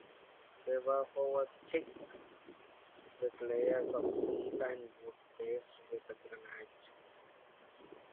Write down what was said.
They were over thick, with layers of steel and wood faced with granite.